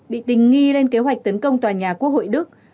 bị tình nghi lên kế hoạch tấn công tòa nhà quốc hội đức